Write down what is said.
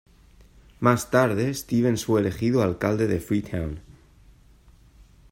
Más tarde, Stevens fue elegido alcalde de Freetown.